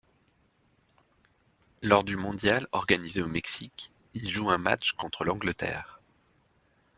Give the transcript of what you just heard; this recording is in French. Lors du mondial organisé au Mexique, il joue un match contre l'Angleterre.